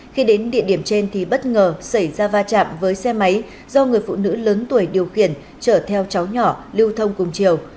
khi đến địa điểm trên thì bất ngờ xảy ra va chạm với xe máy do người phụ nữ lớn tuổi điều khiển chở theo cháu nhỏ lưu thông cùng chiều